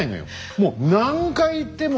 もう何回言っても。